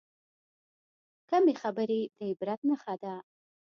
کمې خبرې، د عبرت نښه ده.